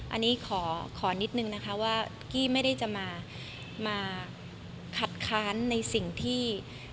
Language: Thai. อันนี้ขอนิดนึงนะคะว่ากี้ไม่ได้จะมาขัดค้านในสิ่งที่